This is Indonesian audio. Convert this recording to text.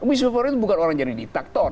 abuse of power itu bukan orang jadi di tactor